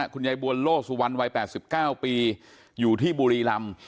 คุณยายบวนโลสุวรรณวัย๘๙ปีอยู่ที่บุรีรำ